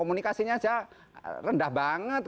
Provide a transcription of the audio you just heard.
komunikasinya aja rendah banget